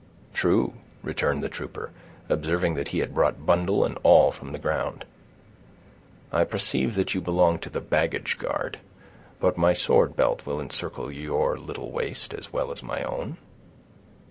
"True," returned the trooper, observing that he had brought bundle and all from the ground. "I perceive that you belong to the baggage guard; but my sword belt will encircle your little waist, as well as my own."